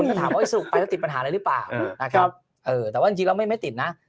คนก็ถามว่าไปจะติดปัญหาอะไรหรือเปล่าแต่ว่าจริงเราไม่ติดนะ